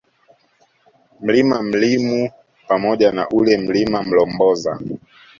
Mlima Mlimu pamoja na ule Mlima Mlomboza